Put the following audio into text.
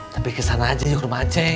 tapi kesana aja yuk rumah aceh